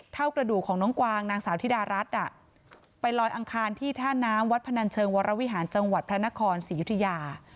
เท่ากระดูกของน้องกวางนางสาวธิดารัฐไปลอยอังคารที่ท่าน้ำวัดพนันเชิงวรวิหารจังหวัดพระนครศรียุธยา